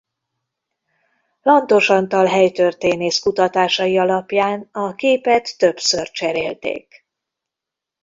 Lantos Antal helytörténész kutatásai alapján a képet többször cserélték.